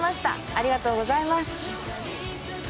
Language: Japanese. ありがとうございます。